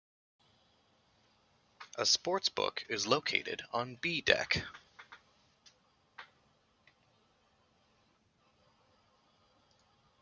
A sports book is located on "B" deck.